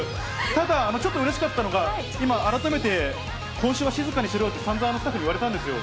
ただ、ちょっとうれしかったのが、今、改めて、今週は静かにしろよって、さんざんスタッフに言われたんですよ。